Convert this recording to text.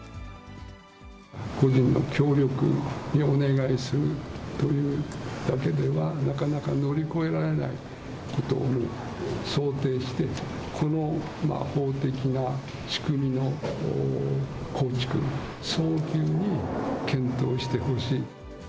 個人の協力にお願いするというだけではなかなか乗り越えられないことを想定して、この法的な仕組みの構築、早急に検討してほしい。